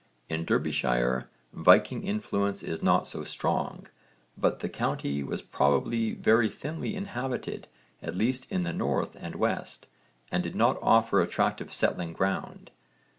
In Derbyshire Viking influence is not so strong but the county was probably very thinly inhabited at least in the north and west and did not offer attractive settling ground.